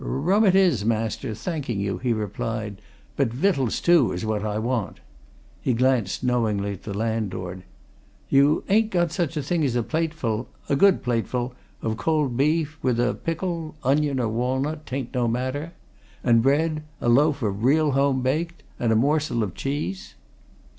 "Rum it is, master, thanking you," he replied. "But vittals, too, is what I want." He glanced knowingly at the landlord. "You ain't got such a thing as a plateful a good plateful! of cold beef, with a pickle onion or walnut, 'tain't no matter. And bread a loaf of real home baked? And a morsel of cheese?"